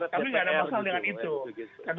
tapi nggak ada masalah dengan itu